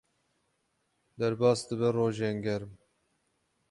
Derbas dibe rojên germ.